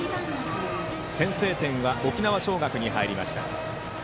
先制点は沖縄尚学に入りました。